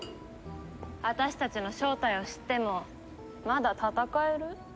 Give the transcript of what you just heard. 私たちの正体を知ってもまだ戦える？